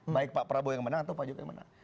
baik pak prabowo yang menang atau pak jokowi menang